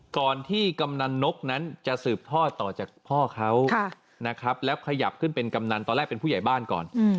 ก่อนที่กำนันนกนั้นจะสืบทอดต่อจากพ่อเขานะครับแล้วขยับขึ้นเป็นกำนันตอนแรกเป็นผู้ใหญ่บ้านก่อน